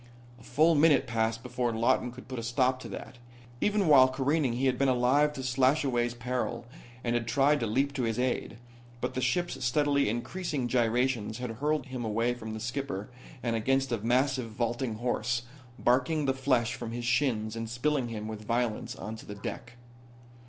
A full minute passed before Lawton could put a stop to that. Even while careening he had been alive to Slashaway's peril, and had tried to leap to his aid. But the ship's steadily increasing gyrations had hurled him away from the skipper and against a massive vaulting horse, barking the flesh from his shins and spilling him with violence onto the deck.